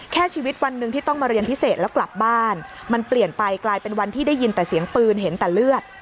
ชีวิตวันหนึ่งที่ต้องมาเรียนพิเศษแล้วกลับบ้านมันเปลี่ยนไปกลายเป็นวันที่ได้ยินแต่เสียงปืนเห็นแต่เลือด